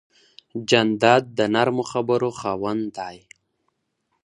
جانداد د نرمو خبرو خاوند دی.